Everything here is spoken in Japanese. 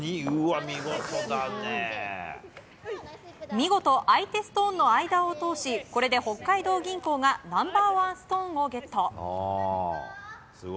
見事、相手ストーンの間を通しこれで北海道銀行がナンバーワンストーンをゲット。